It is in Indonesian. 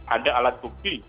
ada alat bukti